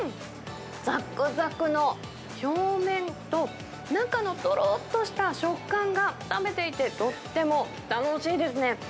ざくざくの表面と、中のとろっとした食感が食べていてとっても楽しいですね。